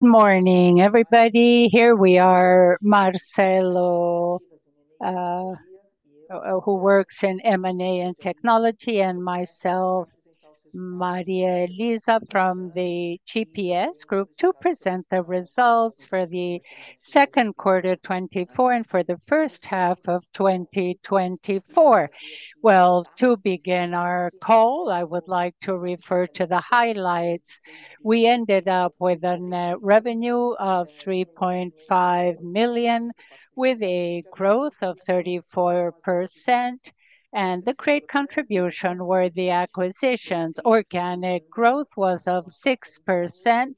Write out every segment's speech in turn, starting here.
Good morning, everybody. Here we are, Marcelo, who works in M&A and Technology, and myself, Maria Elisa, from the GPS Group, to present the results for the second quarter 2024, and for the first half of 2024. Well, to begin our call, I would like to refer to the highlights. We ended up with a net revenue of 3.5 billion, with a growth of 34%, and the great contribution were the acquisitions. Organic growth was of 6%,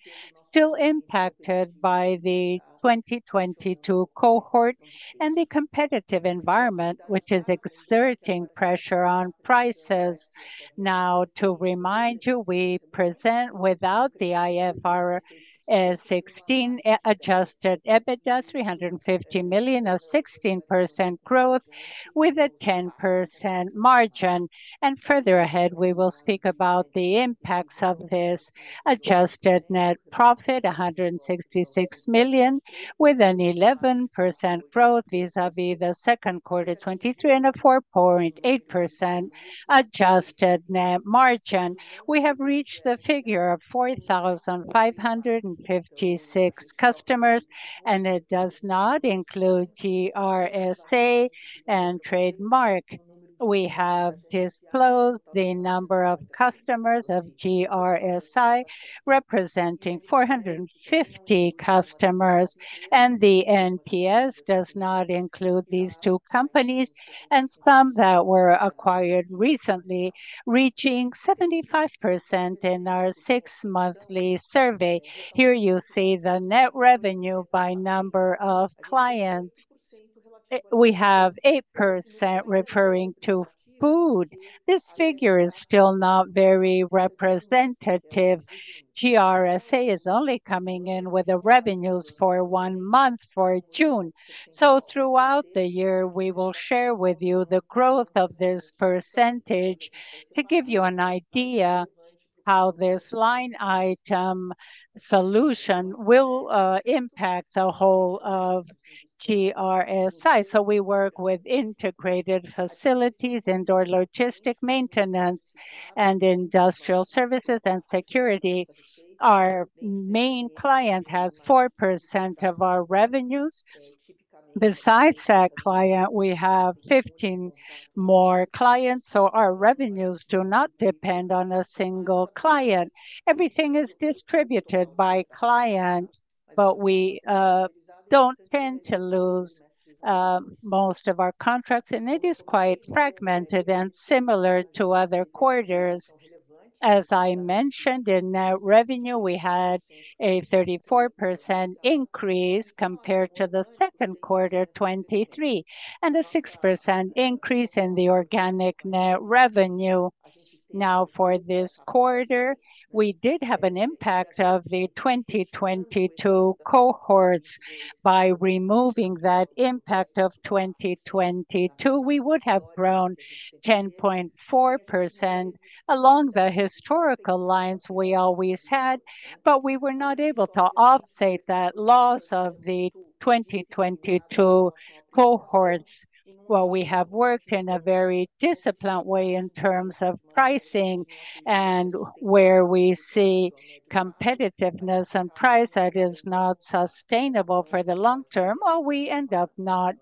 still impacted by the 2022 cohort and the competitive environment, which is exerting pressure on prices. Now, to remind you, we present without the IFRS 16, adjusted EBITDA 350 million, a 16% growth with a 10% margin. Further ahead, we will speak about the impacts of this adjusted net profit, 166 million, with an 11% growth vis-a-vis the second quarter 2023, and a 4.8% adjusted net margin. We have reached the figure of 4,556 customers, and it does not include GRSA and Trademark. We have disclosed the number of customers of GRSA, representing 450 customers, and the NPS does not include these two companies and some that were acquired recently, reaching 75% in our six-monthly survey. Here you see the net revenue by number of clients. We have 8% referring to food. This figure is still not very representative. GRSA is only coming in with the revenues for one month, for June. So throughout the year, we will share with you the growth of this percentage to give you an idea how this line item solution will impact the whole of GRSA. So we work with integrated facilities, indoor logistic maintenance, and industrial services and security. Our main client has 4% of our revenues. Besides that client, we have 15 more clients, so our revenues do not depend on a single client. Everything is distributed by client, but we don't tend to lose most of our contracts, and it is quite fragmented and similar to other quarters. As I mentioned, in net revenue, we had a 34% increase compared to the second quarter 2023, and a 6% increase in the organic net revenue. Now, for this quarter, we did have an impact of the 2022 cohorts. By removing that impact of 2022, we would have grown 10.4% along the historical lines we always had, but we were not able to offset that loss of the 2022 cohorts. Well, we have worked in a very disciplined way in terms of pricing and where we see competitiveness and price that is not sustainable for the long term, or we end up not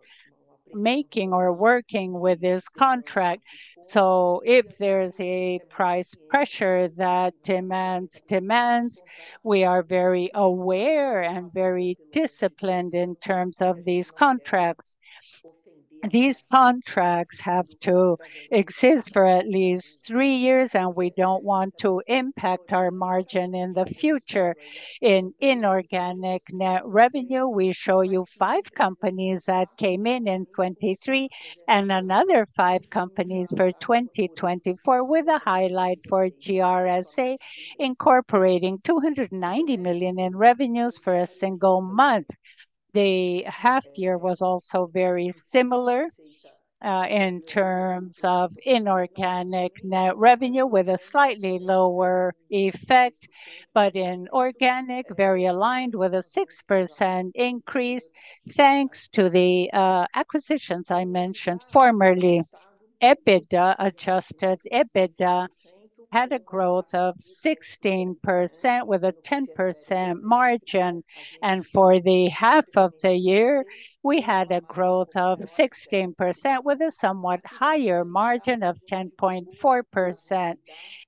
making or working with this contract. So if there is a price pressure that demands, demands, we are very aware and very disciplined in terms of these contracts. These contracts have to exist for at least 3 years, and we don't want to impact our margin in the future. In inorganic net revenue, we show you five companies that came in in 2023 and another five companies for 2024, with a highlight for GRSA, incorporating 290 million in revenues for a single month. The half year was also very similar in terms of inorganic net revenue, with a slightly lower effect, but in organic, very aligned with a 6% increase, thanks to the acquisitions I mentioned formerly. EBITDA, adjusted EBITDA, had a growth of 16%, with a 10% margin, and for the half of the year, we had a growth of 16%, with a somewhat higher margin of 10.4%.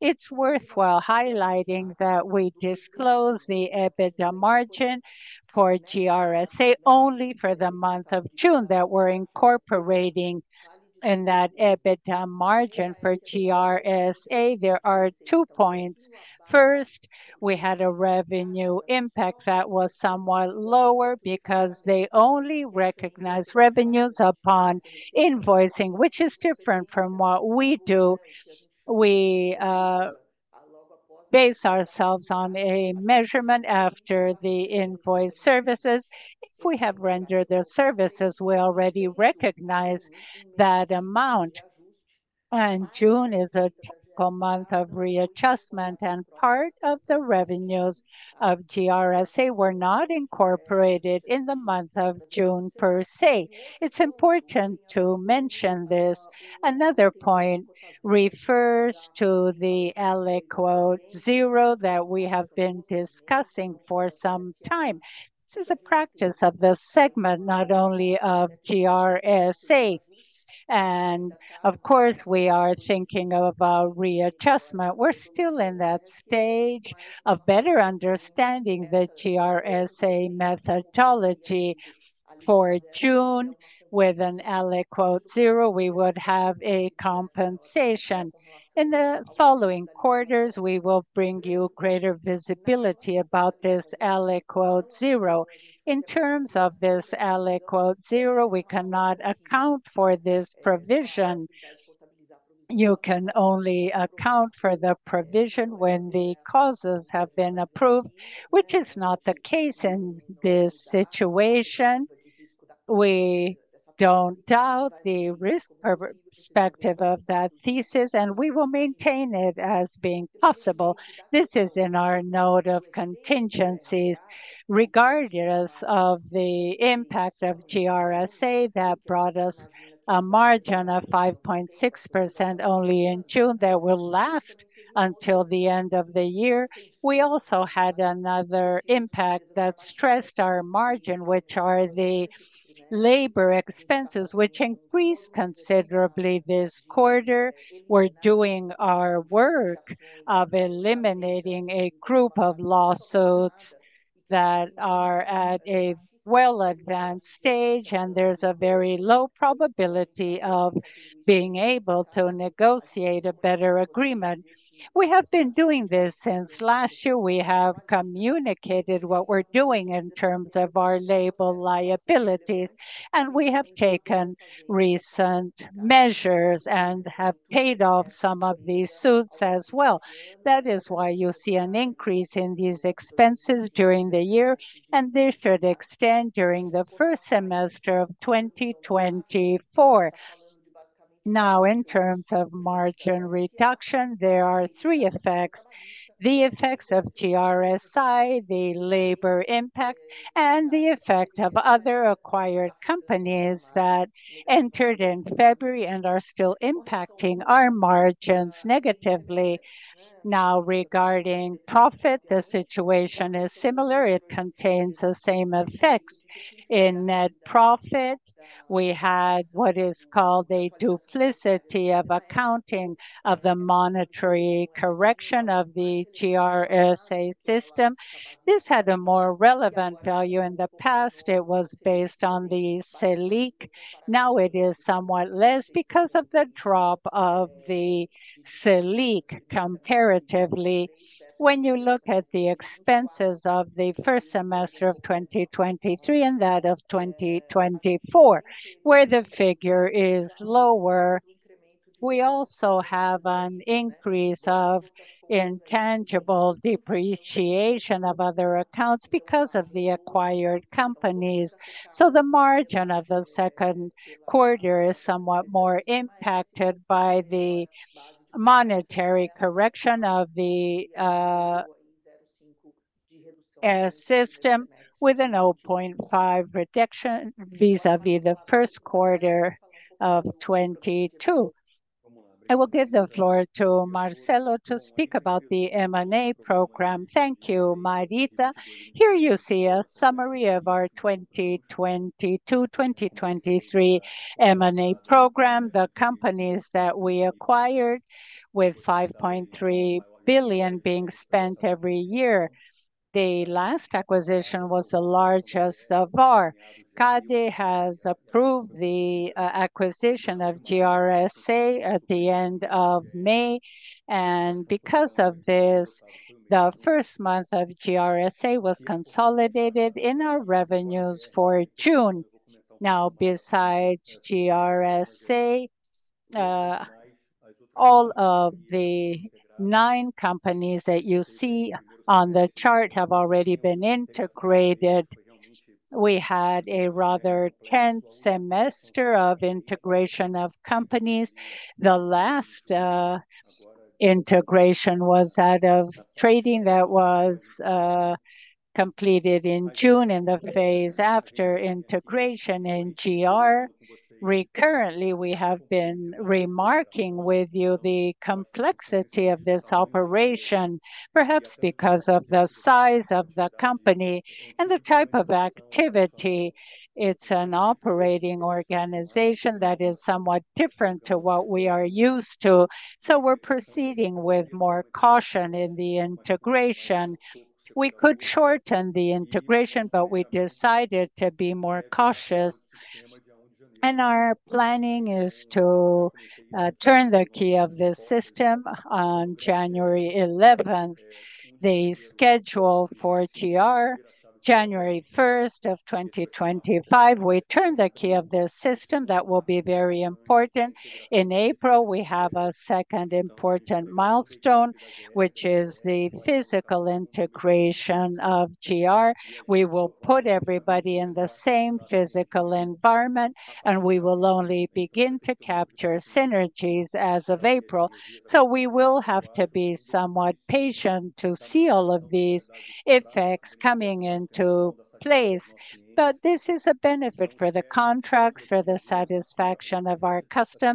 It's worthwhile highlighting that we disclosed the EBITDA margin for GRSA only for the month of June, that we're incorporating in that EBITDA margin for GRSA. There are two points. First, we had a revenue impact that was somewhat lower because they only recognize revenues upon invoicing, which is different from what we do. We base ourselves on a measurement after the invoiced services. If we have rendered the services, we already recognize that amount. And June is a typical month of readjustment, and part of the revenues of GRSA were not incorporated in the month of June, per se. It's important to mention this. Another point refers to the aliquot zero that we have been discussing for some time. This is a practice of the segment, not only of GRSA, and of course, we are thinking about readjustment. We're still in that stage of better understanding the GRSA methodology. For June, with an aliquot zero, we would have a compensation. In the following quarters, we will bring you greater visibility about this aliquot zero. In terms of this aliquot zero, we cannot account for this provision. You can only account for the provision when the causes have been approved, which is not the case in this situation. We don't doubt the risk from the perspective of that thesis, and we will maintain it as being possible. This is in our note of contingencies. Regardless of the impact of GRSA, that brought us a margin of 5.6% only in June that will last until the end of the year. We also had another impact that stressed our margin, which are the labor expenses, which increased considerably this quarter. We're doing our work of eliminating a group of lawsuits that are at a well-advanced stage, and there's a very low probability of being able to negotiate a better agreement. We have been doing this since last year. We have communicated what we're doing in terms of our labor liabilities, and we have taken recent measures and have paid off some of these suits as well. That is why you see an increase in these expenses during the year, and they should extend during the first semester of 2024. Now, in terms of margin reduction, there are three effects: the effects of GRSA, the labor impact, and the effect of other acquired companies that entered in February and are still impacting our margins negatively. Now, regarding profit, the situation is similar. It contains the same effects. In net profit, we had what is called a duplication of accounting of the monetary correction of the GRSA system. This had a more relevant value in the past. It was based on the Selic. Now it is somewhat less because of the drop of the Selic comparatively. When you look at the expenses of the first semester of 2023 and that of 2024, where the figure is lower, we also have an increase of intangible depreciation of other accounts because of the acquired companies. So the margin of the second quarter is somewhat more impacted by the monetary correction of the system, with a 0.5 reduction vis-à-vis the first quarter of 2022. I will give the floor to Marcelo to speak about the M&A program. Thank you, Marita. Here you see a summary of our 2022-2023 M&A program, the companies that we acquired, with 5.3 billion being spent every year. The last acquisition was the largest of our, CADE has approved the acquisition of GRSA at the end of May, and because of this, the first month of GRSA was consolidated in our revenues for June. Now, besides GRSA, all of the nice companies that you see on the chart have already been integrated. We had a rather tense semester of integration of companies. The last integration was that of Trademark that was completed in June, and the phase after, integration in GRSA. Recurrently, we have been remarking with you the complexity of this operation, perhaps because of the size of the company and the type of activity. It's an operating organization that is somewhat different to what we are used to, so we're proceeding with more caution in the integration. We could shorten the integration, but we decided to be more cautious. And our planning is to turn the key of this system on January 11th. The schedule for GRSA, January 1st of 2025, we turn the key of the system. That will be very important. In April, we have a second important milestone, which is the physical integration of GR. We will put everybody in the same physical environment, and we will only begin to capture synergies as of April. So we will have to be somewhat patient to see all of these effects coming into place. But this is a benefit for the contracts, for the satisfaction of our customer,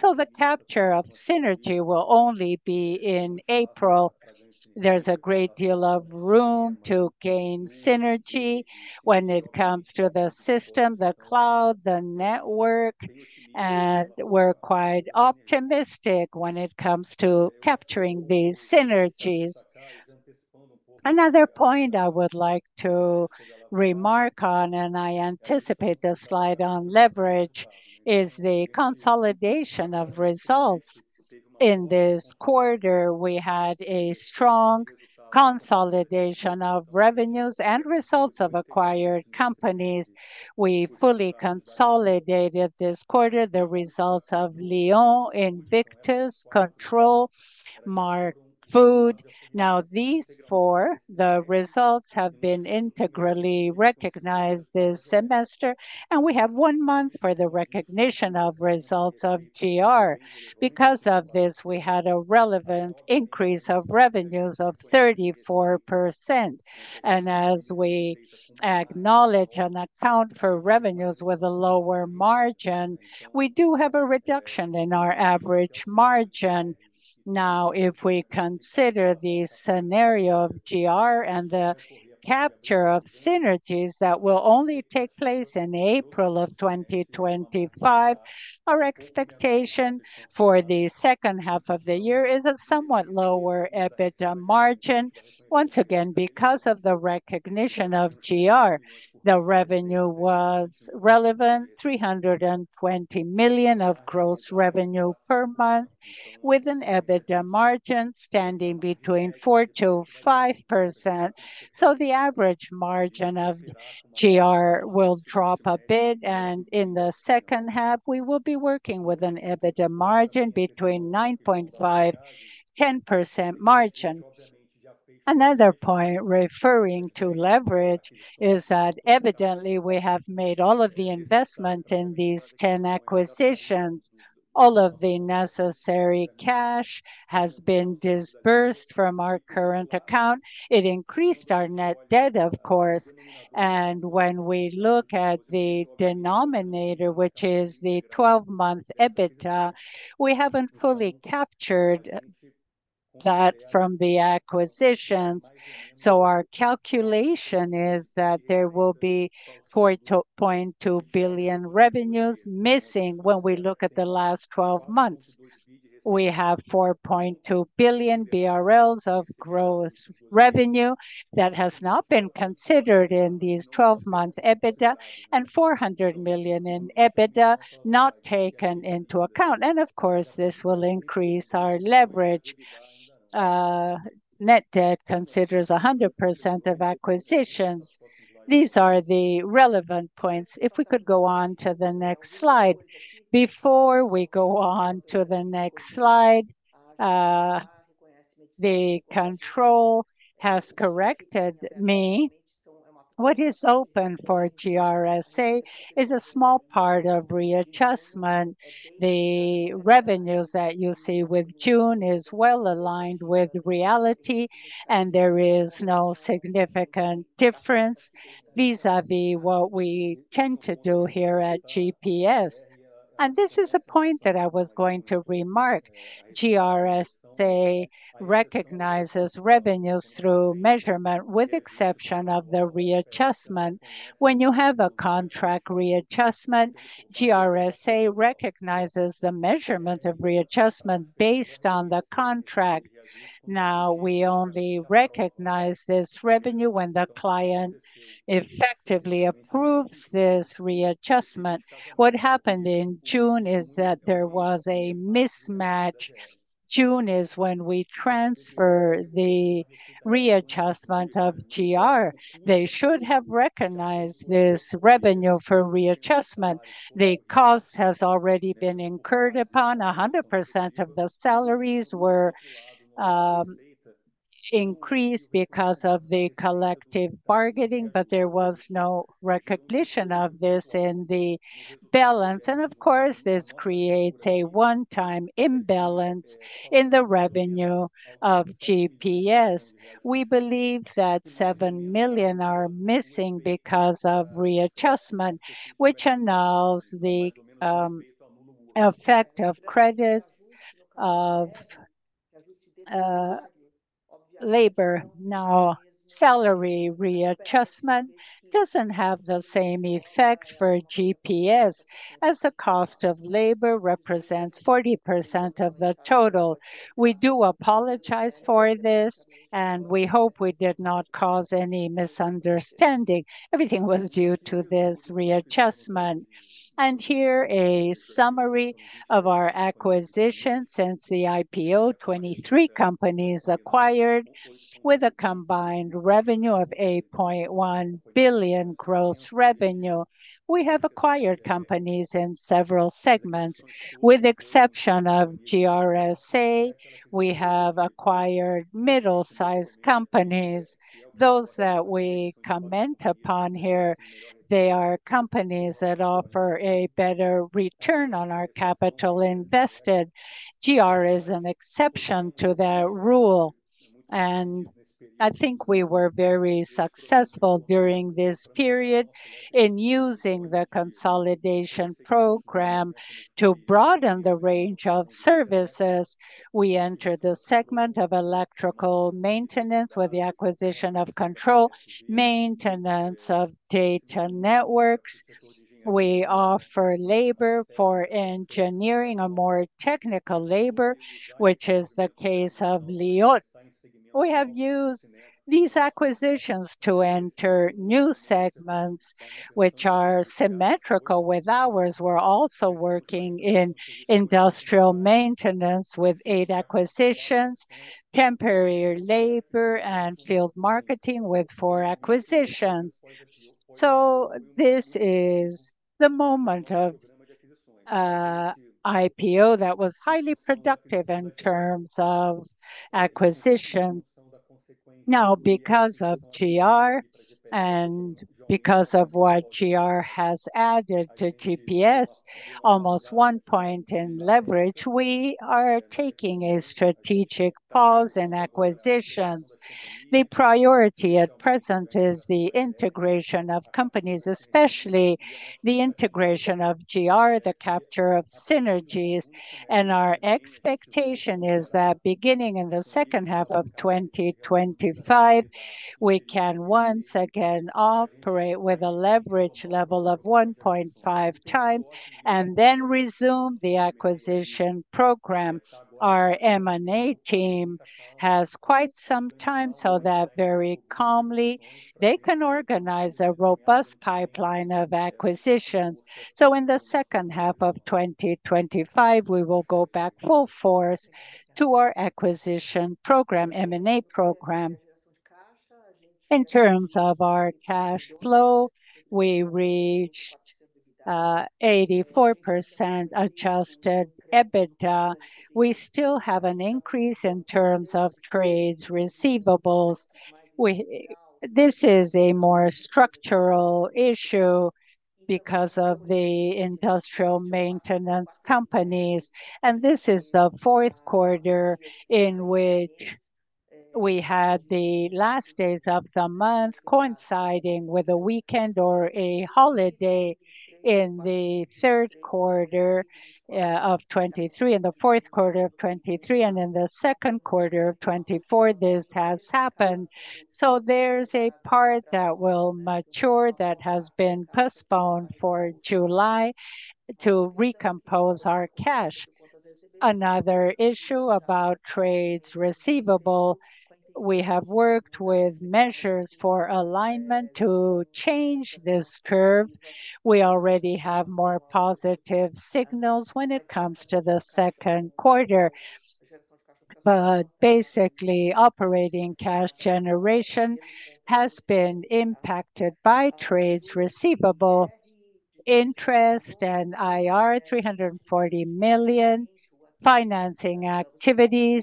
so the capture of synergy will only be in April. There's a great deal of room to gain synergy when it comes to the system, the cloud, the network, and we're quite optimistic when it comes to capturing these synergies. Another point I would like to remark on, and I anticipate the slide on leverage, is the consolidation of results. In this quarter, we had a strong consolidation of revenues and results of acquired companies. We fully consolidated this quarter, the results of Lyon, Invictus, Control, Marfood. Now, these four, the results have been integrally recognized this semester, and we have one month for the recognition of result of GR. Because of this, we had a relevant increase of revenues of 34%. And as we acknowledge and account for revenues with a lower margin, we do have a reduction in our average margin. Now, if we consider the scenario of GR and the capture of synergies that will only take place in April of 2025, our expectation for the second half of the year is a somewhat lower EBITDA margin. Once again, because of the recognition of GR, the revenue was relevant, 320 million of gross revenue per month, with an EBITDA margin standing between 4%-5%. So the average margin of GR will drop a bit, and in the second half, we will be working with an EBITDA margin between 9.5%-10% margin. Another point referring to leverage is that evidently we have made all of the investment in these 10 acquisitions. All of the necessary cash has been disbursed from our current account. It increased our net debt, of course, and when we look at the denominator, which is the 12-month EBITDA, we haven't fully captured that from the acquisitions. So our calculation is that there will be 4.2 billion revenues missing when we look at the last 12 months. We have 4.2 billion BRL of gross revenue that has not been considered in these 12-month EBITDA, and 400 million in EBITDA not taken into account. And of course, this will increase our leverage. Net debt considers 100% of acquisitions. These are the relevant points. If we could go on to the next slide. Before we go on to the next slide, the controller has corrected me. What is open for GRSA is a small part of readjustment. The revenues that you see with June is well aligned with reality, and there is no significant difference vis-à-vis what we tend to do here at GPS. This is a point that I was going to remark. GRSA recognizes revenues through measurement, with exception of the readjustment. When you have a contract readjustment, GRSA recognizes the measurement of readjustment based on the contract. Now, we only recognize this revenue when the client effectively approves this readjustment. What happened in June is that there was a mismatch. June is when we transfer the readjustment of GR. They should have recognized this revenue for readjustment. The cost has already been incurred upon. 100% of the salaries were increased because of the collective bargaining, but there was no recognition of this in the balance. And of course, this creates a one-time imbalance in the revenue of GPS. We believe that 7 million are missing because of readjustment, which announces the effect of credit, of labor. Now, salary readjustment doesn't have the same effect for GPS, as the cost of labor represents 40% of the total. We do apologize for this, and we hope we did not cause any misunderstanding. Everything was due to this readjustment. And here, a summary of our acquisitions since the IPO: 23 companies acquired with a combined revenue of 8.1 billion gross revenue. We have acquired companies in several segments. With exception of GRSA, we have acquired middle-sized companies. Those that we comment upon here, they are companies that offer a better return on our capital invested. GR is an exception to that rule, and I think we were very successful during this period in using the consolidation program to broaden the range of services. We entered the segment of electrical maintenance with the acquisition of Control, maintenance of data networks. We offer labor for engineering or more technical labor, which is the case of Lyon. We have used these acquisitions to enter new segments, which are symmetrical with ours. We're also working in industrial maintenance with 8 acquisitions, temporary labor, and field marketing with 4 acquisitions. So this is the moment of IPO that was highly productive in terms of acquisition. Now, because of GR and because of what GR has added to GPS, almost 1 point in leverage, we are taking a strategic pause in acquisitions. The priority at present is the integration of companies, especially the integration of GR, the capture of synergies. Our expectation is that beginning in the second half of 2025, we can once again operate with a leverage level of 1.5 times and then resume the acquisition program. Our M&A team has quite some time, so that very calmly they can organize a robust pipeline of acquisitions. In the second half of 2025, we will go back full force to our acquisition program, M&A program. In terms of our cash flow, we reached 84% adjusted EBITDA. We still have an increase in terms of trade receivables. This is a more structural issue because of the industrial maintenance companies, and this is the fourth quarter in which we had the last days of the month coinciding with a weekend or a holiday. In the third quarter of 2023, in the fourth quarter of 2023, and in the second quarter of 2024, this has happened. So there's a part that will mature, that has been postponed for July to recompose our cash. Another issue about trade receivables, we have worked with measures for alignment to change this curve. We already have more positive signals when it comes to the second quarter, but basically, operating cash generation has been impacted by trade receivables, interest, and IR, 340 million financing activities.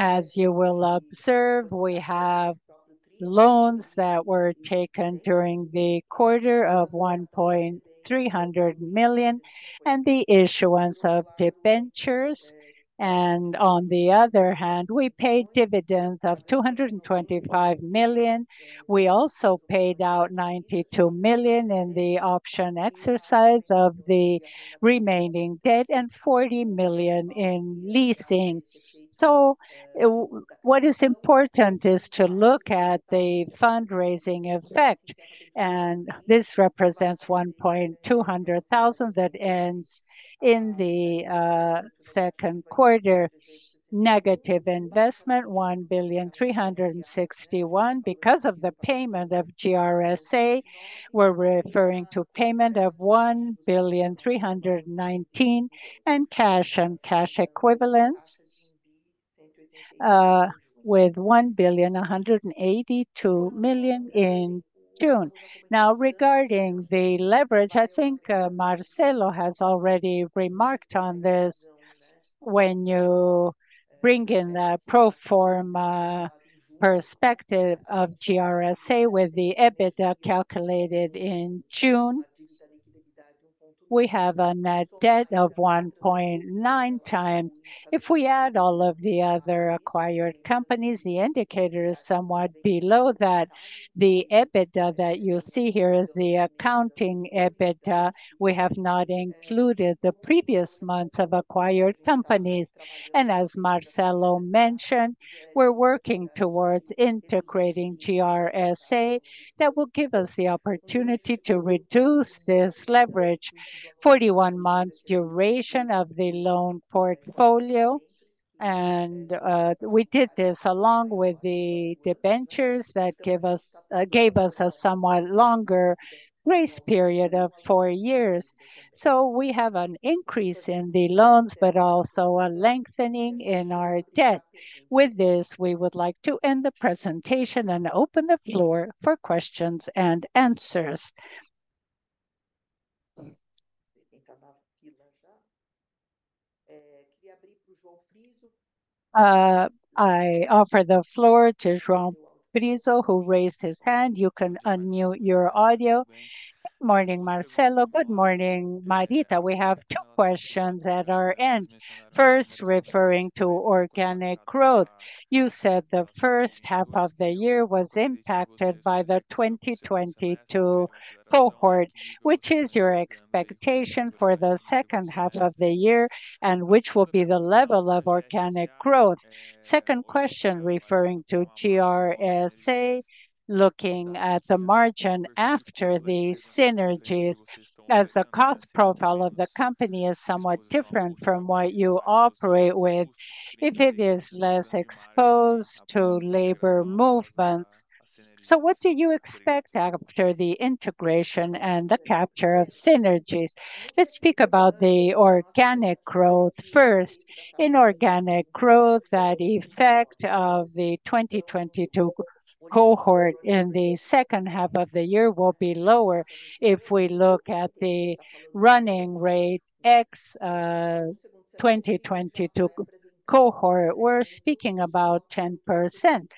As you will observe, we have loans that were taken during the quarter of 130 million, and the issuance of debentures. On the other hand, we paid dividends of 225 million. We also paid out 92 million in the option exercise of the remaining debt, and 40 million in leasing. So what is important is to look at the fundraising effect, and this represents 120 million that ends in the second quarter. Negative investment, 1.361 billion. Because of the payment of GRSA, we're referring to payment of 1.319 billion, and cash and cash equivalents with 1.182 billion in June. Now, regarding the leverage, I think Marcelo has already remarked on this. When you bring in the pro forma perspective of GRSA with the EBITDA calculated in June. We have a net debt of 1.9x. If we add all of the other acquired companies, the indicator is somewhat below that. The EBITDA that you see here is the accounting EBITDA. We have not included the previous month of acquired companies. And as Marcelo mentioned, we're working towards integrating GRSA. That will give us the opportunity to reduce this leverage. 41 months duration of the loan portfolio, and we did this along with the debentures that gave us a somewhat longer grace period of 4 years. So we have an increase in the loans, but also a lengthening in our debt. With this, we would like to end the presentation and open the floor for questions and answers. I offer the floor to João Frizzo, who raised his hand. You can unmute your audio. Morning, Marcelo. Good morning, Marita. We have two questions at our end. First, referring to organic growth, you said the first half of the year was impacted by the 2022 cohort. Which is your expectation for the second half of the year, and which will be the level of organic growth? Second question, referring to GRSA, looking at the margin after the synergies, as the cost profile of the company is somewhat different from what you operate with, if it is less exposed to labor movements. So what do you expect after the integration and the capture of synergies? Let's speak about the organic growth first. In organic growth, that effect of the 2022 cohort in the second half of the year will be lower. If we look at the running rate ex-2022 cohort, we're speaking about 10%.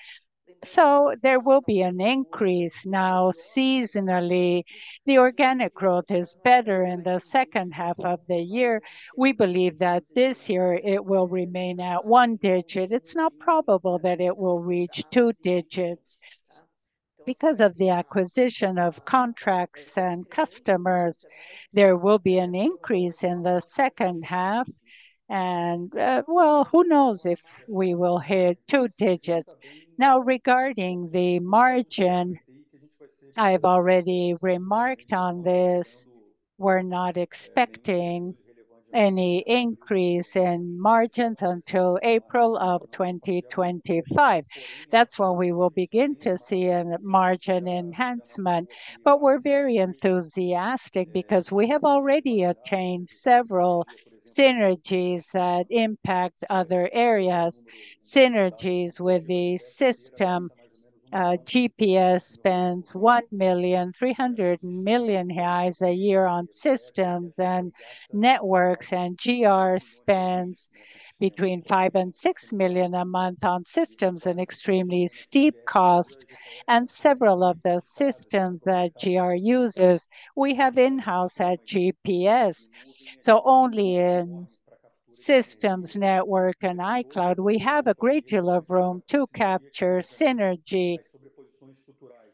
So there will be an increase. Now, seasonally, the organic growth is better in the second half of the year. We believe that this year it will remain at one digit. It's not probable that it will reach two digits. Because of the acquisition of contracts and customers, there will be an increase in the second half, and well, who knows if we will hit two digits? Now, regarding the margin, I've already remarked on this, we're not expecting any increase in margins until April of 2025. That's when we will begin to see a margin enhancement. But we're very enthusiastic because we have already attained several synergies that impact other areas, synergies with the system. GPS spent 1.3 billion reais a year on systems and networks, and GR spends between 5 million and 6 million a month on systems, an extremely steep cost, and several of the systems that GR uses we have in-house at GPS. So only in systems, network, and iCloud, we have a great deal of room to capture synergy.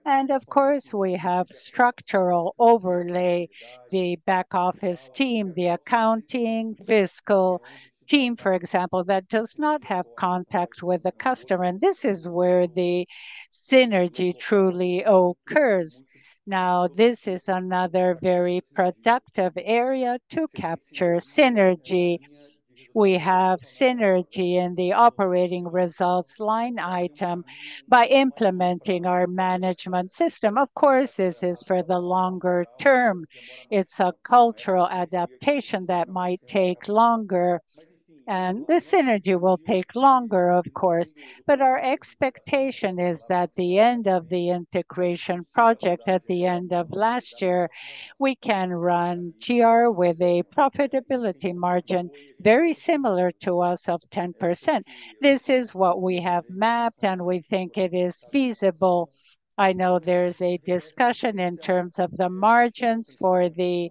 And of course, we have structural overlay, the back office team, the accounting, fiscal team, for example, that does not have contact with the customer, and this is where the synergy truly occurs. Now, this is another very productive area to capture synergy. We have synergy in the operating results line item by implementing our management system. Of course, this is for the longer term. It's a cultural adaptation that might take longer, and the synergy will take longer, of course. But our expectation is that, at the end of the integration project at the end of last year, we can run GR with a profitability margin very similar to us of 10%. This is what we have mapped, and we think it is feasible. I know there's a discussion in terms of the margins for the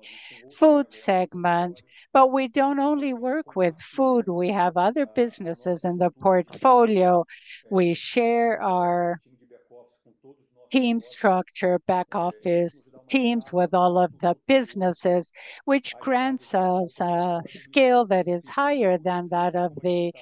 food segment, but we don't only work with food. We have other businesses in the portfolio. We share our team structure, back office teams with all of the businesses, which grants us a scale that is higher than that of the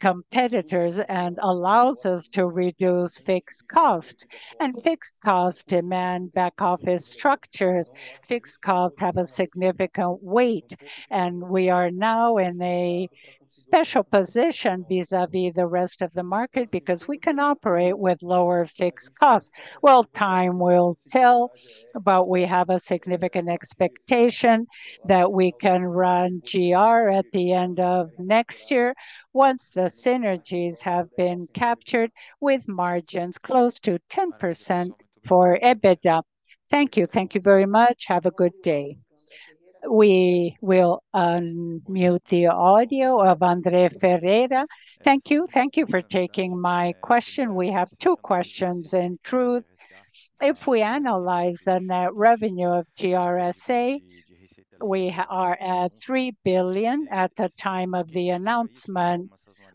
competitors and allows us to reduce fixed cost. And fixed cost demand back office structures. Fixed costs have a significant weight, and we are now in a special position vis-à-vis the rest of the market because we can operate with lower fixed costs. Well, time will tell, but we have a significant expectation that we can run GRSA at the end of next year, once the synergies have been captured, with margins close to 10% for EBITDA. Thank you. Thank you very much. Have a good day. We will unmute the audio of Andre Ferreira. Thank you. Thank you for taking my question. We have two questions in truth. If we analyze the net revenue of GRSA we are at 3 billion at the time of the announcement.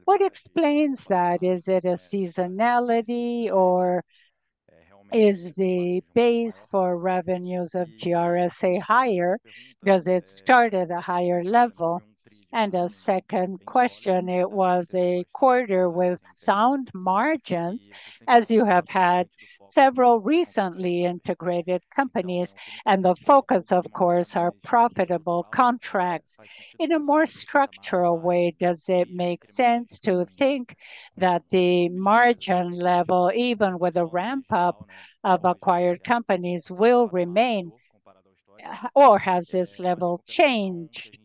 What explains that? Is it a seasonality, or is the base for revenues of GRSA higher because it started a higher level? And a second question: It was a quarter with sound margins, as you have had several recently integrated companies, and the focus, of course, are profitable contracts. In a more structural way, does it make sense to think that the margin level, even with a ramp-up of acquired companies, will remain, or has this level changed?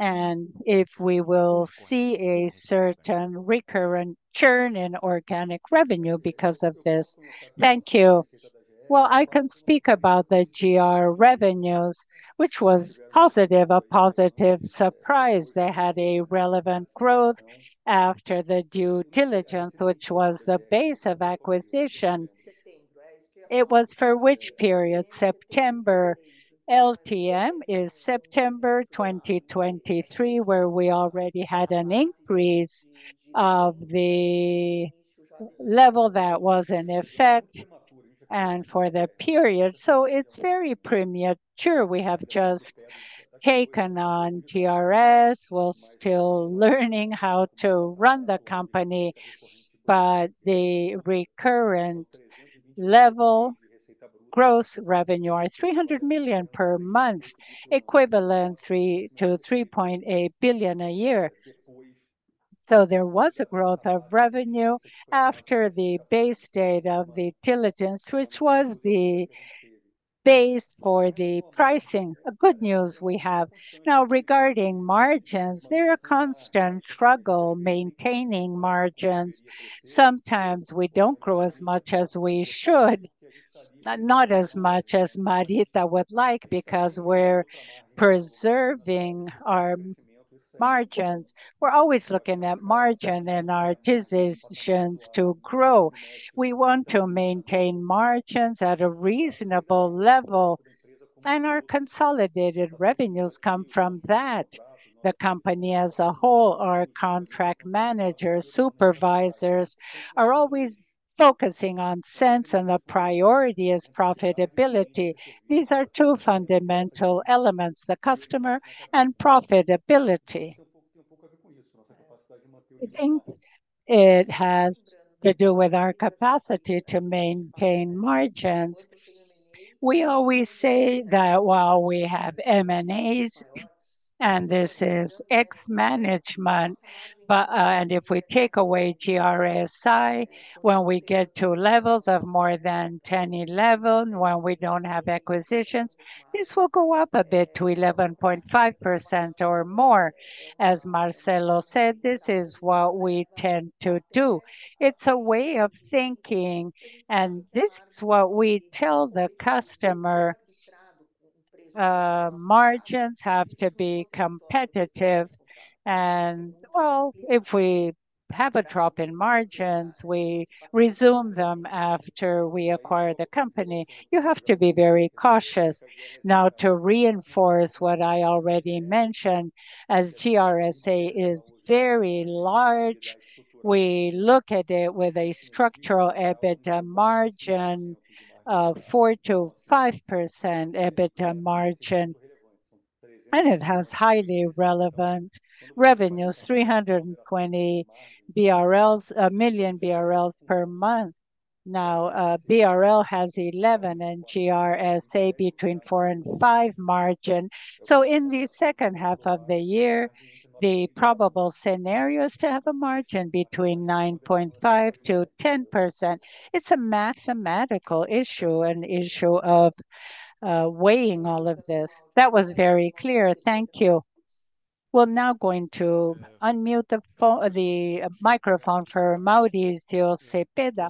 And if we will see a certain recurrent churn in organic revenue because of this. Thank you. Well, I can speak about the GRSA revenues, which was positive, a positive surprise. They had a relevant growth after the due diligence, which was the base of acquisition. It was for which period, September. LTM is September 2023, where we already had an increase of the level that was in effect and for the period. So it's very premature. We have just taken on GRSA. We're still learning how to run the company, but the recurrent level gross revenue are 300 million per month, equivalent 3 billion to 3.8 billion a year. So there was a growth of revenue after the base date of the diligence, which was the base for the pricing. A good news we have. Now, regarding margins, they're a constant struggle, maintaining margins. Sometimes we don't grow as much as we should, not as much as Marita would like, because we're preserving our margins. We're always looking at margin and our decisions to grow. We want to maintain margins at a reasonable level, and our consolidated revenues come from that. The company as a whole, our contract managers, supervisors, are always focusing on sense, and the priority is profitability. These are two fundamental elements: the customer and profitability. I think it has to do with our capacity to maintain margins. We always say that while we have M&As, and this is ex-management, but... If we take away GRSA, when we get to levels of more than 10-11, when we don't have acquisitions, this will go up a bit to 11.5% or more. As Marcelo said, this is what we tend to do. It's a way of thinking, and this is what we tell the customer. Margins have to be competitive and, well, if we have a drop in margins, we resume them after we acquire the company. You have to be very cautious. Now, to reinforce what I already mentioned, as GRSA is very large, we look at it with a structural EBITDA margin of 4%-5% EBITDA margin, and it has highly relevant revenues, 320 million BRL per month. Now, BRL has 11, and GRSA between 4% and 5% margin. So in the second half of the year, the probable scenario is to have a margin between 9.5%-10%. It's a mathematical issue, an issue of, weighing all of this. That was very clear. Thank you. We'll now going to unmute the microphone for Mauricio Cepeda.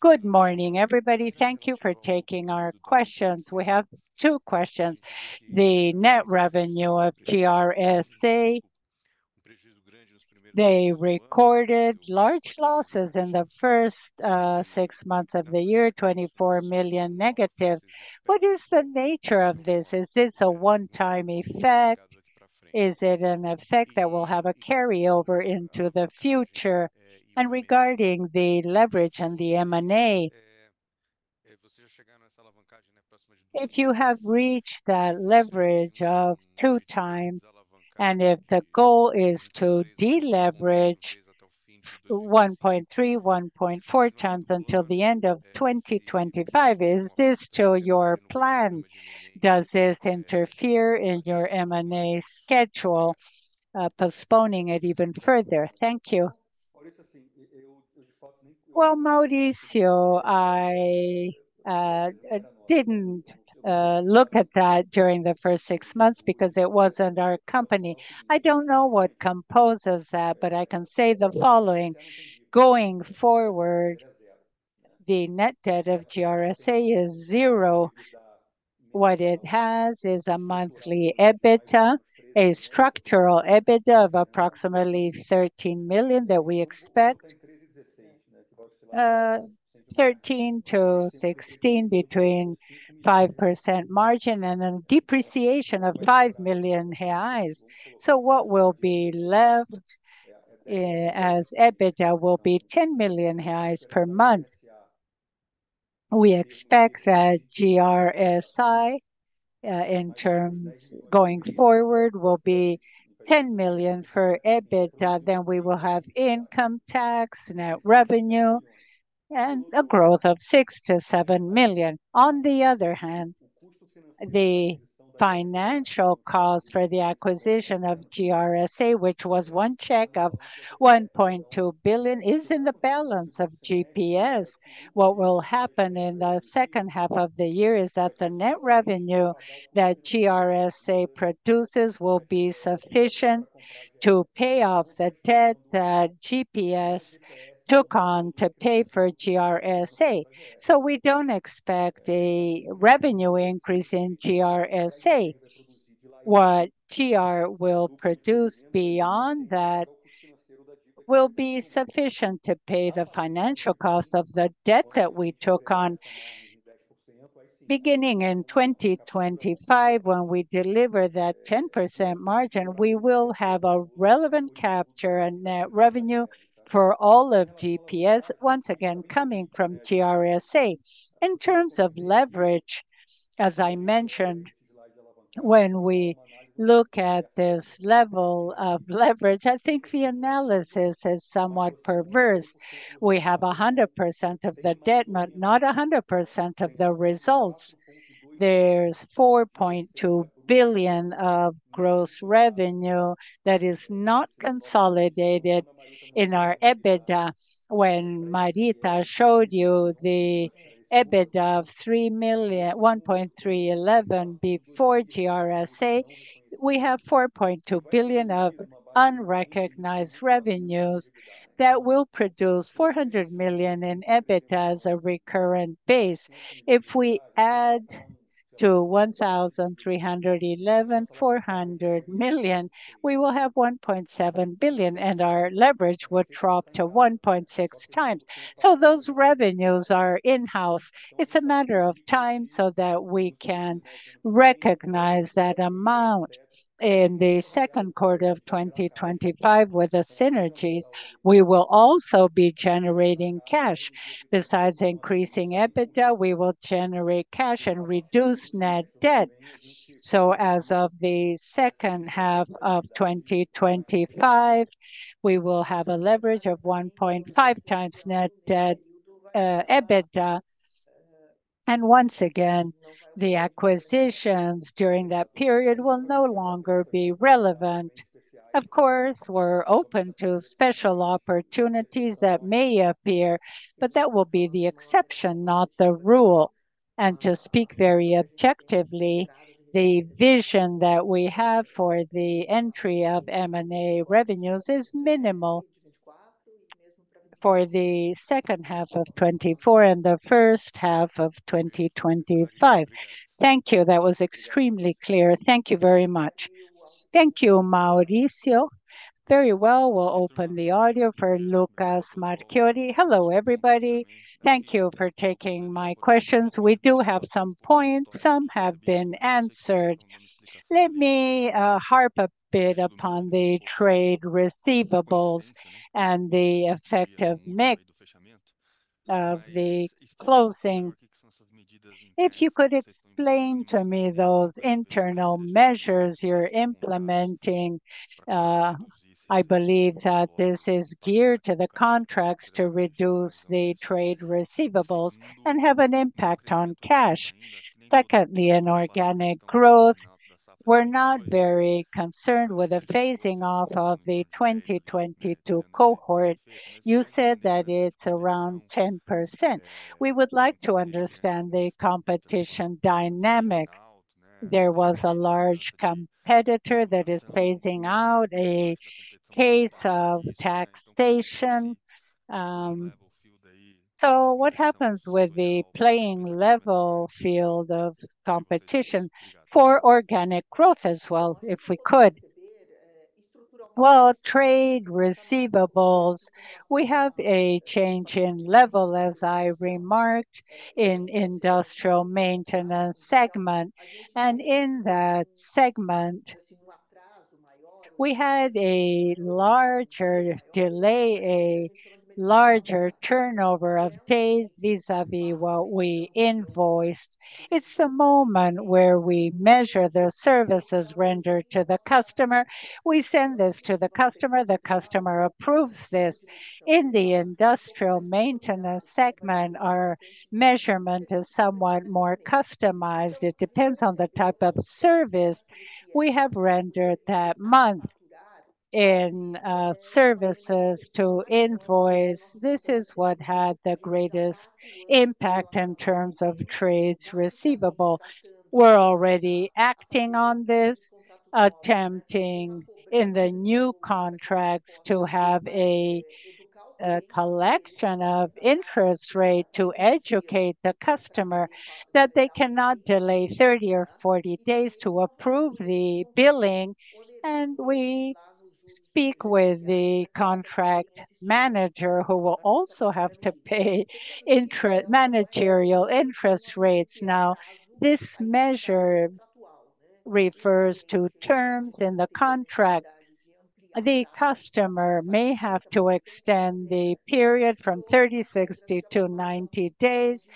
Good morning, everybody. Thank you for taking our questions. We have two questions. The net revenue of GRSA, they recorded large losses in the first, six months of the year, -24 million. What is the nature of this? Is this a one-time effect? Is it an effect that will have a carryover into the future? Regarding the leverage and the M&A, if you have reached that leverage of 2x, and if the goal is to deleverage to 1.3, 1.4x until the end of 2025, is this still your plan? Does this interfere in your M&A schedule, postponing it even further? Thank you. Well, Mauricio, I didn't look at that during the first six months because it wasn't our company. I don't know what composes that, but I can say the following: Going forward, the net debt of GRSA is zero. What it has is a monthly EBITDA, a structural EBITDA of approximately 13 million that we expect 13-16, between 5% margin and then depreciation of 5 million reais. So what will be left as EBITDA will be 10 million reais per month. We expect that GRSA, in terms going forward, will be 10 million for EBITDA, then we will have income tax, net revenue, and a growth of 6 million-7 million. On the other hand, the financial cost for the acquisition of GRSA, which was one check of 1.2 billion, is in the balance of GPS. What will happen in the second half of the year is that the net revenue that GRSA produces will be sufficient to pay off the debt that GPS took on to pay for GRSA. So we don't expect a revenue increase in GRSA. What GRSA will produce beyond that will be sufficient to pay the financial cost of the debt that we took on. Beginning in 2025, when we deliver that 10% margin, we will have a relevant capture and net revenue for all of GPS, once again, coming from GRSA. In terms of leverage, as I mentioned, when we look at this level of leverage, I think the analysis is somewhat perverse. We have 100% of the debt, but not 100% of the results. There's 4.2 billion of gross revenue that is not consolidated in our EBITDA. When Marita showed you the EBITDA of one point three eleven before GRSA, we have 4.2 billion of unrecognized revenues that will produce 400 million in EBITDA as a recurrent base. If we add to 1,311, 400 million, we will have 1.7 billion, and our leverage would drop to 1.6x. Those revenues are in-house. It's a matter of time so that we can recognize that amount. In the second quarter of 2025, with the synergies, we will also be generating cash. Besides increasing EBITDA, we will generate cash and reduce net debt. So as of the second half of 2025, we will have a leverage of 1.5x net debt, EBITDA, and once again, the acquisitions during that period will no longer be relevant. Of course, we're open to special opportunities that may appear, but that will be the exception, not the rule. To speak very objectively, the vision that we have for the entry of M&A revenues is minimal for the second half of 2024 and the first half of 2025. Thank you. That was extremely clear. Thank you very much. Thank you, Mauricio. Very well. We'll open the audio for Lucas Marquiori. Hello, everybody. Thank you for taking my questions. We do have some points; some have been answered. Let me harp a bit upon the trade receivables and the effective mix of the closing. If you could explain to me those internal measures you're implementing, I believe that this is geared to the contracts to reduce the trade receivables and have an impact on cash. Secondly, in organic growth, we're not very concerned with the phasing out of the 2022 cohort. You said that it's around 10%. We would like to understand the competition dynamic. There was a large competitor that is phasing out a case of taxation. So what happens with the level playing field of competition for organic growth as well, if we could? Well, trade receivables, we have a change in level, as I remarked, in industrial maintenance segment, and in that segment, we had a larger delay, a larger turnover of days vis-à-vis what we invoiced. It's the moment where we measure the services rendered to the customer. We send this to the customer, the customer approves this. In the industrial maintenance segment, our measurement is somewhat more customized. It depends on the type of service we have rendered that month. In services to invoice, this is what had the greatest impact in terms of trade receivables. We're already acting on this, attempting in the new contracts to have a collection of interest rate to educate the customer that they cannot delay 30 or 40 days to approve the billing, and we speak with the contract manager, who will also have to pay interest managerial interest rates. Now, this measure refers to terms in the contract. The customer may have to extend the period from 30, 60 to 90 days,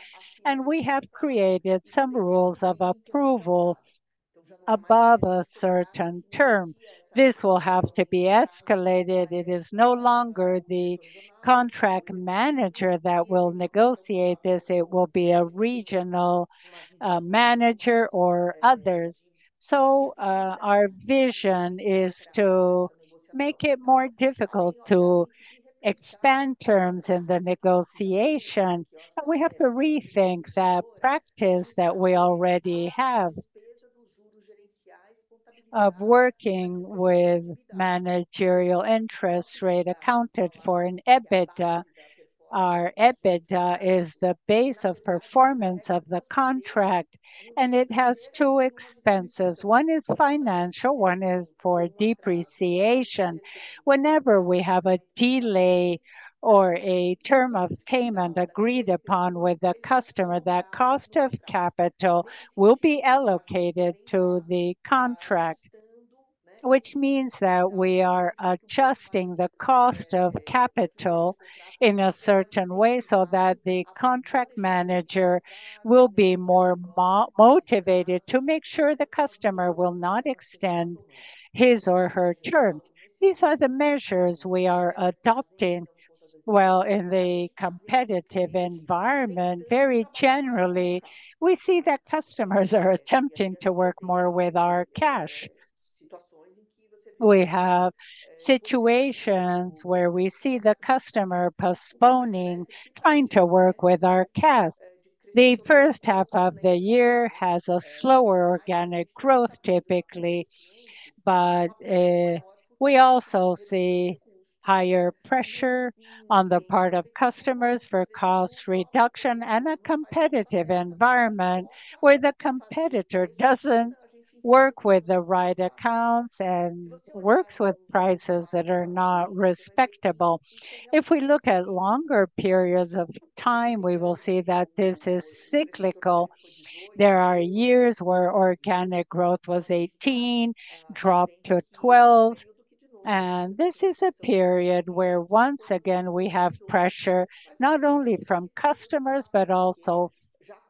and we have created some rules of approval above a certain term. This will have to be escalated. It is no longer the contract manager that will negotiate this. It will be a regional manager or others. So, our vision is to make it more difficult to expand terms in the negotiation, but we have to rethink that practice that we already have of working with managerial interest rate accounted for in EBITDA. Our EBITDA is the base of performance of the contract, and it has two expenses. One is financial, one is for depreciation. Whenever we have a delay or a term of payment agreed upon with the customer, that cost of capital will be allocated to the contract, which means that we are adjusting the cost of capital in a certain way, so that the contract manager will be more motivated to make sure the customer will not extend his or her terms. These are the measures we are adopting. Well, in the competitive environment, very generally, we see that customers are attempting to work more with our cash. We have situations where we see the customer postponing, trying to work with our cash. The first half of the year has a slower organic growth typically, but we also see higher pressure on the part of customers for cost reduction and a competitive environment, where the competitor doesn't work with the right accounts and works with prices that are not respectable. If we look at longer periods of time, we will see that this is cyclical. There are years where organic growth was 18, dropped to 12, and this is a period where, once again, we have pressure, not only from customers, but also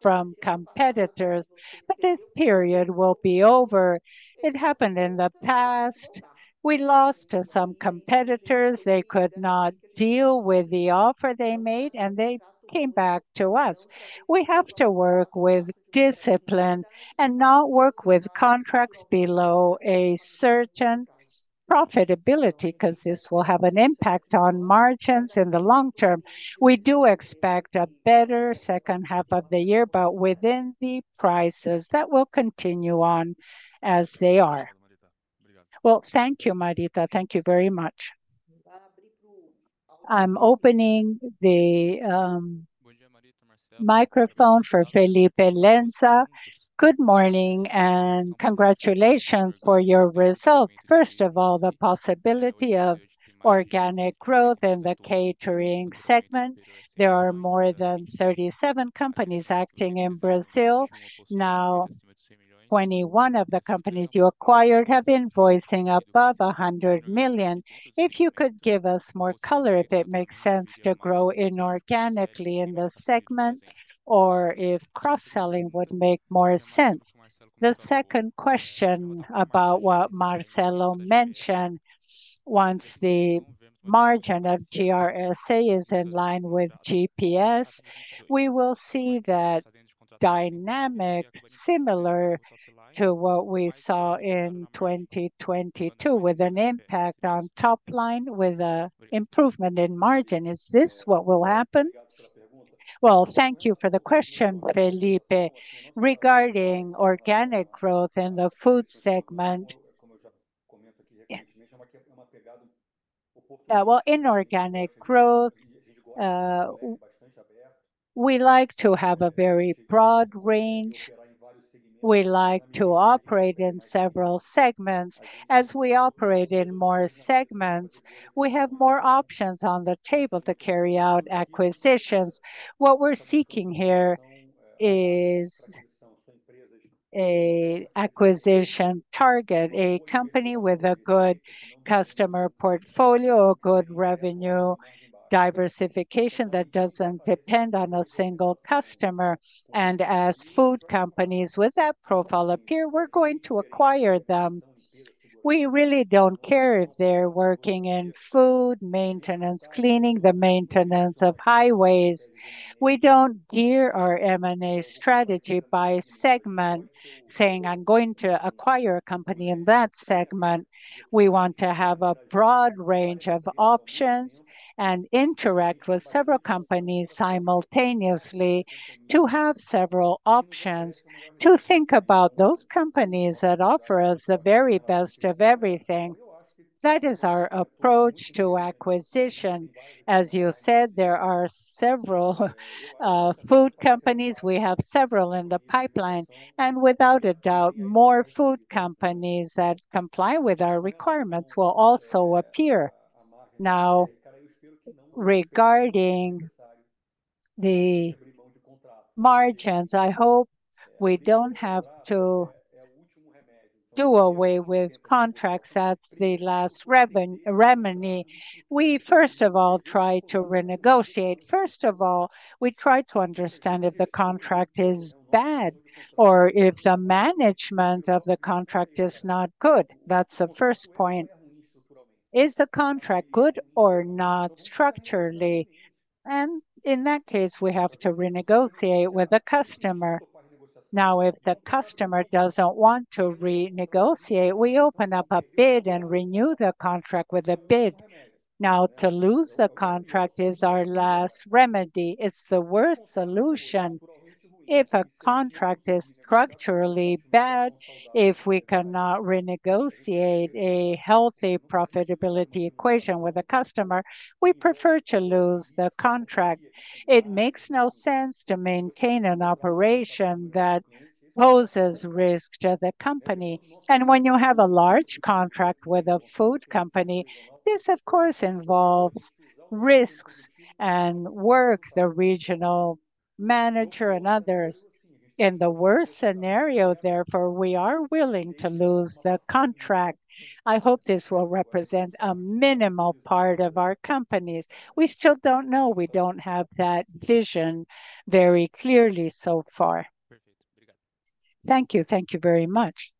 from competitors. But this period will be over. It happened in the past. We lost to some competitors. They could not deal with the offer they made, and they came back to us. We have to work with discipline and not work with contracts below a certain profitability, 'cause this will have an impact on margins in the long term. We do expect a better second half of the year, but within the prices that will continue on as they are. Well, thank you, Marita. Thank you very much. I'm opening the microphone for Felipe Lenza. Good morning, and congratulations for your results. First of all, the possibility of organic growth in the catering segment. There are more than 37 companies acting in Brazil. Now, 21 of the companies you acquired have been voicing above 100 million. If you could give us more color, if it makes sense to grow inorganically in this segment or if cross-selling would make more sense. The second question about what Marcelo mentioned, once the margin of GRSA is in line with GPS, we will see that dynamic similar to what we saw in 2022, with an impact on top line, with an improvement in margin. Is this what will happen? Well, thank you for the question, Felipe. Regarding organic growth in the food segment... Yeah. Well, inorganic growth, we like to have a very broad range. We like to operate in several segments. As we operate in more segments, we have more options on the table to carry out acquisitions. What we're seeking here is an acquisition target, a company with a good customer portfolio, a good revenue diversification that doesn't depend on a single customer, and as food companies with that profile appear, we're going to acquire them. We really don't care if they're working in food, maintenance, cleaning, the maintenance of highways. We don't gear our M&A strategy by segment, saying, "I'm going to acquire a company in that segment." We want to have a broad range of options and interact with several companies simultaneously to have several options, to think about those companies that offer us the very best of everything. That is our approach to acquisition. As you said, there are several food companies. We have several in the pipeline, and without a doubt, more food companies that comply with our requirements will also appear. Now, regarding the margins, I hope we don't have to do away with contracts. That's the last remedy. We first of all try to renegotiate. First of all, we try to understand if the contract is bad or if the management of the contract is not good. That's the first point. Is the contract good or not structurally? And in that case, we have to renegotiate with the customer. Now, if the customer doesn't want to renegotiate, we open up a bid and renew the contract with a bid. Now, to lose the contract is our last remedy. It's the worst solution. If a contract is structurally bad, if we cannot renegotiate a healthy profitability equation with a customer, we prefer to lose the contract. It makes no sense to maintain an operation that poses risks to the company. And when you have a large contract with a food company, this of course involve risks and work, the regional manager and others. In the worst scenario, therefore, we are willing to lose the contract. I hope this will represent a minimal part of our companies. We still don't know. We don't have that vision very clearly so far. Perfect. Thank you. Thank you. Thank you very much.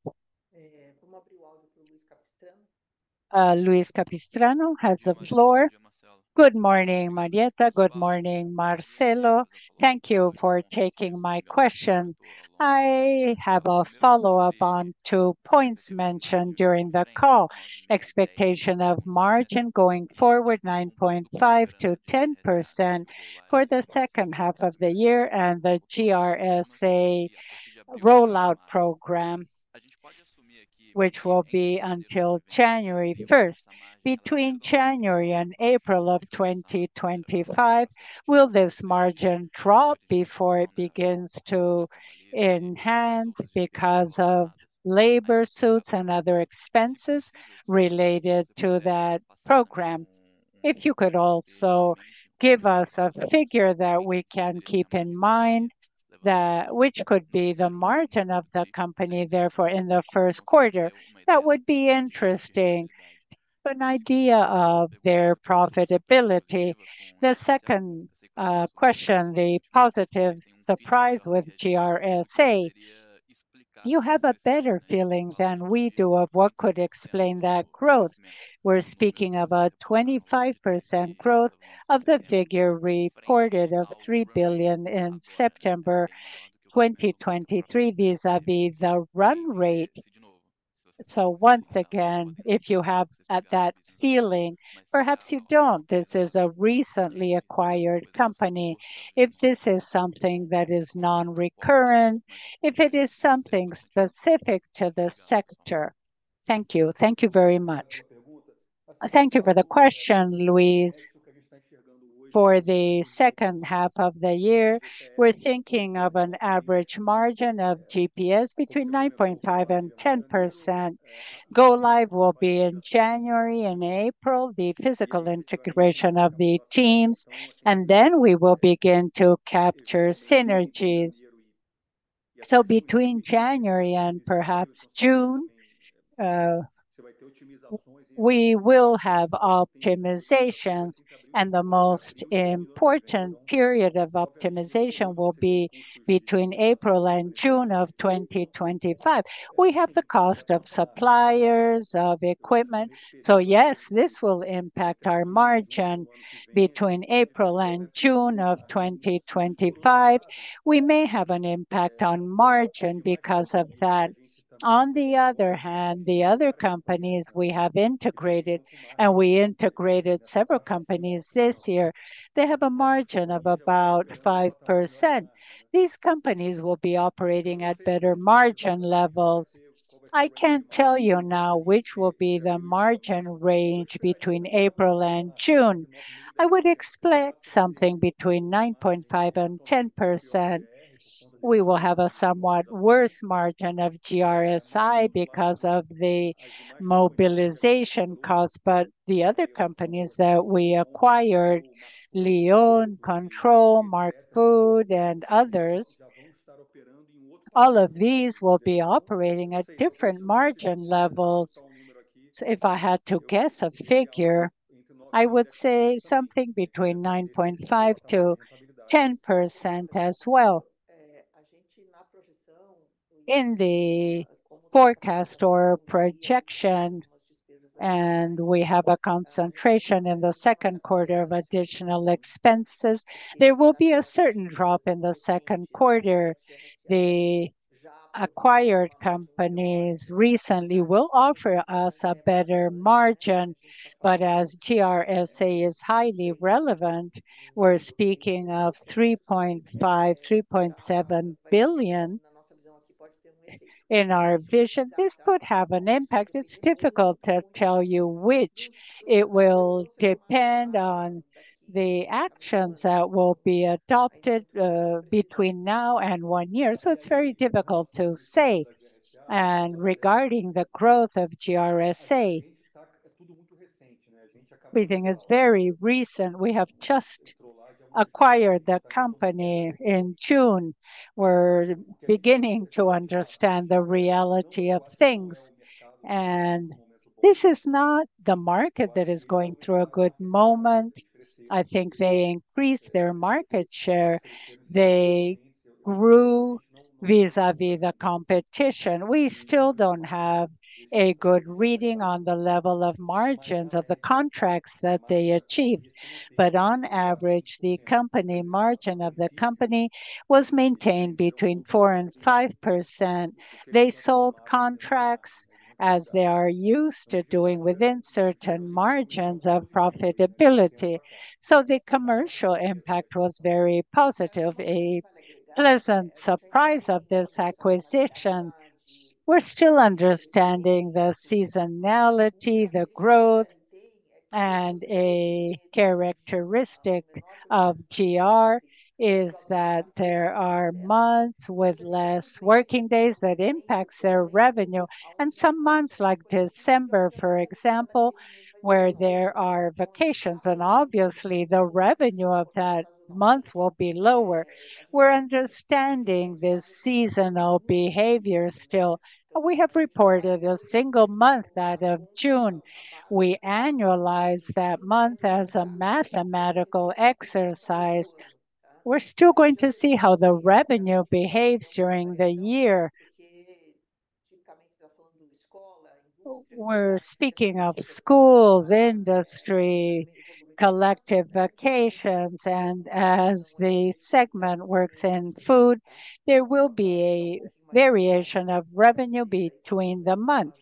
Luiz Capistrano, has the floor. Good morning, Marita. Good morning, Marcelo. Thank you for taking my question. I have a follow-up on two points mentioned during the call: expectation of margin going forward 9.5%-10% for the second half of the year, and the GRSA rollout program, which will be until January first. Between January and April of 2025, will this margin drop before it begins to enhance because of labor suits and other expenses related to that program? If you could also give us a figure that we can keep in mind, that—which could be the margin of the company, therefore, in the first quarter, that would be interesting, an idea of their profitability. The second question, the positive surprise with GRSA. You have a better feeling than we do of what could explain that growth. We're speaking about 25% growth of the figure reported of 3 billion in September 2023, vis-à-vis the run rate. So once again, if you have, that feeling, perhaps you don't, this is a recently acquired company. If this is something that is non-recurrent, if it is something specific to the sector. Thank you. Thank you very much. Thank you for the question, Luis. For the second half of the year, we're thinking of an average margin of GPS between 9.5% and 10%. Go live will be in January and April, the physical integration of the teams, and then we will begin to capture synergies. So between January and perhaps June, we will have optimizations, and the most important period of optimization will be between April and June of 2025. We have the cost of suppliers, of equipment, so yes, this will impact our margin between April and June of 2025. We may have an impact on margin because of that. On the other hand, the other companies we have integrated, and we integrated several companies this year, they have a margin of about 5%. These companies will be operating at better margin levels. I can't tell you now which will be the margin range between April and June. I would expect something between 9.5% and 10%. We will have a somewhat worse margin of GRSA because of the mobilization costs, but the other companies that we acquired, Lyon, Control, Marfood, and others, all of these will be operating at different margin levels. If I had to guess a figure, I would say something between 9.5%-10% as well. In the forecast or projection, and we have a concentration in the second quarter of additional expenses, there will be a certain drop in the second quarter. The acquired companies recently will offer us a better margin, but as GRSA is highly relevant, we're speaking of 3.5 billion, 3.7 billion. In our vision, this could have an impact. It's difficult to tell you which. It will depend on the actions that will be adopted between now and one year, so it's very difficult to say. And regarding the growth of GRSA. Everything is very recent. We have just acquired the company in June. We're beginning to understand the reality of things, and this is not the market that is going through a good moment. I think they increased their market share. They grew vis-à-vis the competition. We still don't have a good reading on the level of margins of the contracts that they achieved, but on average, the company margin of the company was maintained between 4% and 5%. They sold contracts as they are used to doing within certain margins of profitability, so the commercial impact was very positive, a pleasant surprise of this acquisition. We're still understanding the seasonality, the growth, and a characteristic of GRSA is that there are months with less working days that impacts their revenue, and some months, like December, for example, where there are vacations, and obviously, the revenue of that month will be lower. We're understanding this seasonal behavior still, but we have reported a single month out of June. We annualize that month as a mathematical exercise. We're still going to see how the revenue behaves during the year. We're speaking of schools, industry, collective vacations, and as the segment works in food, there will be a variation of revenue between the months.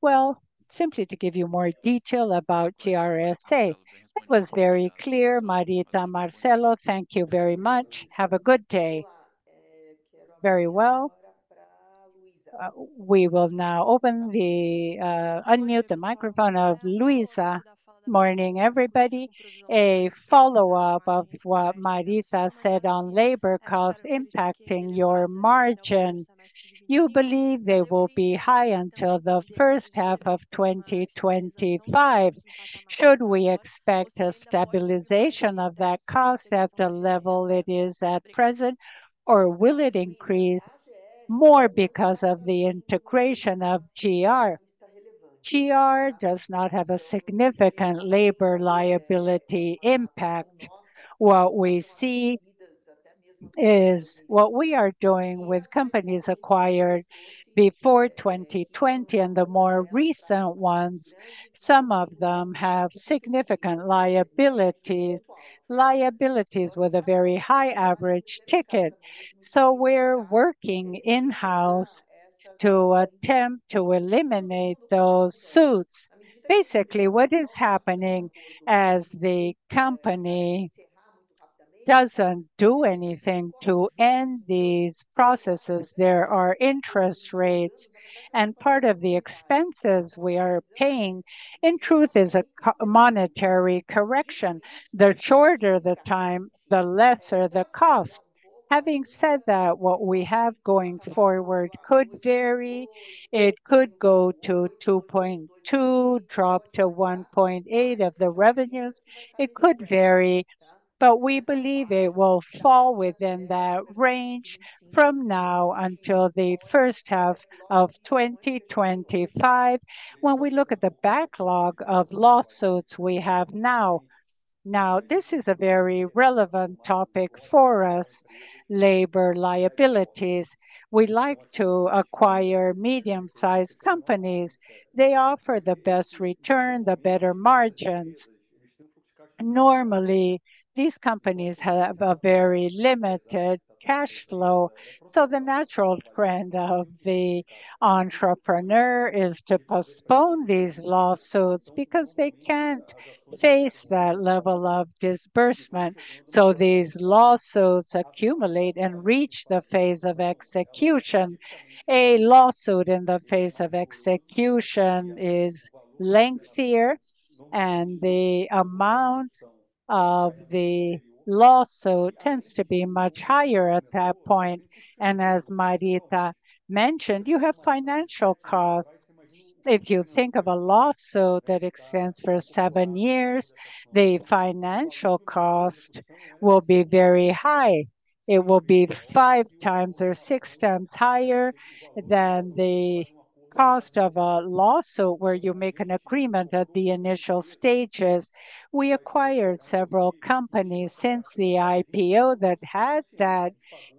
Well, simply to give you more detail about GRSA. It was very clear, Marita, Marcelo, thank you very much. Have a good day. Very well. We will now open the unmute the microphone of Luiza. Morning, everybody. A follow-up of what Marita said on labor costs impacting your margin. You believe they will be high until the first half of 2025. Should we expect a stabilization of that cost at the level it is at present, or will it increase more because of the integration of GRSA? GRSA does not have a significant labor liability impact. What we see is what we are doing with companies acquired before 2020 and the more recent ones, some of them have significant liability, liabilities with a very high average ticket. So we're working in-house to attempt to eliminate those suits. Basically, what is happening as the company doesn't do anything to end these processes, there are interest rates, and part of the expenses we are paying, in truth, is a monetary correction. The shorter the time, the lesser the cost. Having said that, what we have going forward could vary. It could go to 2.2, drop to 1.8 of the revenues. It could vary, but we believe it will fall within that range from now until the first half of 2025. When we look at the backlog of lawsuits we have now, now, this is a very relevant topic for us, labor liabilities. We like to acquire medium-sized companies. They offer the best return, the better margins. Normally, these companies have a very limited cash flow, so the natural trend of the entrepreneur is to postpone these lawsuits because they can't face that level of disbursement. So these lawsuits accumulate and reach the phase of execution. A lawsuit in the phase of execution is lengthier, and the amount of the lawsuit tends to be much higher at that point. As Marita mentioned, you have financial costs. If you think of a lawsuit that extends for 7 years, the financial cost will be very high. It will be 5 times or 6 times higher than the cost of a lawsuit where you make an agreement at the initial stages. We acquired several companies since the IPO that had that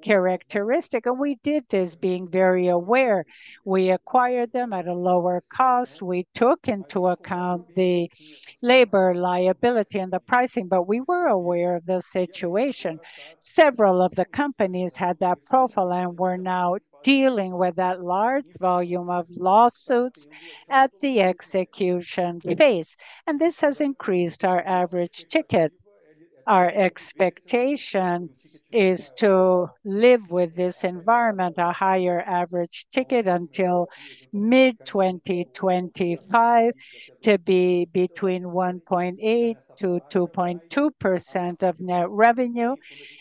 characteristic, and we did this being very aware. We acquired them at a lower cost. We took into account the labor liability and the pricing, but we were aware of the situation. Several of the companies had that profile, and we're now dealing with that large volume of lawsuits at the execution phase, and this has increased our average ticket. Our expectation is to live with this environment, a higher average ticket, until mid-2025, to be between 1.8%-2.2% of net revenue.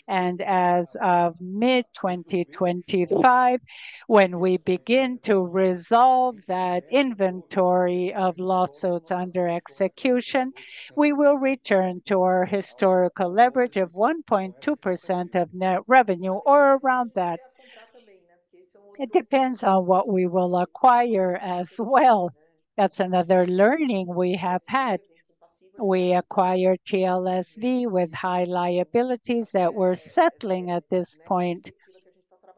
As of mid-2025, when we begin to resolve that inventory of lawsuits under execution, we will return to our historical leverage of 1.2% of net revenue or around that. It depends on what we will acquire as well. That's another learning we have had. We acquired TLSV with high liabilities that we're settling at this point.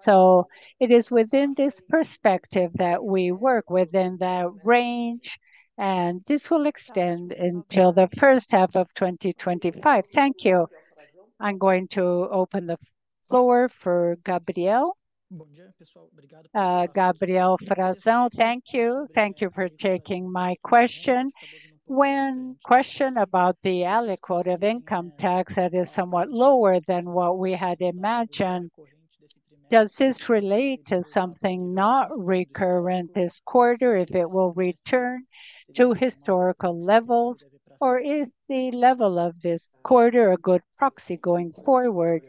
So it is within this perspective that we work within that range, and this will extend until the first half of 2025. Thank you. I'm going to open the floor for Gabriel. Gabriel Frazão, thank you. Thank you for taking my question. My question about the aliquot income tax that is somewhat lower than what we had imagined, does this relate to something not recurrent this quarter, if it will return to historical levels, or is the level of this quarter a good proxy going forward?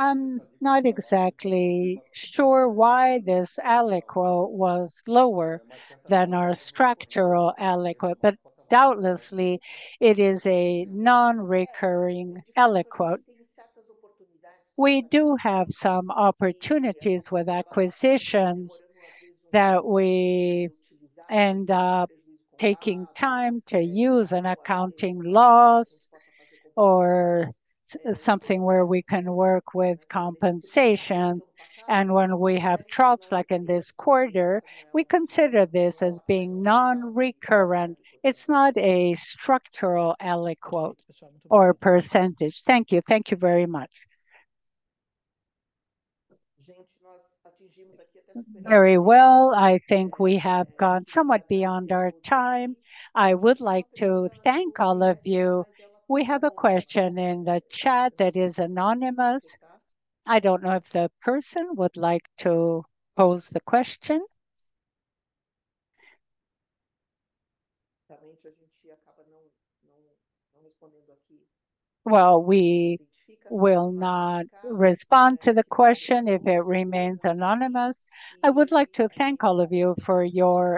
I'm not exactly sure why this aliquot was lower than our structural aliquot, but doubtlessly it is a non-recurring aliquot. We do have some opportunities with acquisitions that we end up taking time to use an accounting loss or something where we can work with compensation, and when we have drops, like in this quarter, we consider this as being non-recurrent. It's not a structural aliquot or percentage. Thank you. Thank you very much. Very well, I think we have gone somewhat beyond our time. I would like to thank all of you. We have a question in the chat that is anonymous. I don't know if the person would like to pose the question. Well, we will not respond to the question if it remains anonymous. I would like to thank all of you for your-